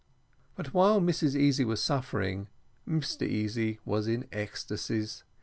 But while Mrs Easy was suffering, Mr Easy was in ecstasies.